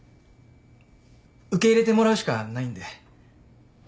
受け入れてもらうしかないんで。